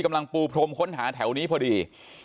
กำลังปูพรมค้นหาแถวนี้พอดี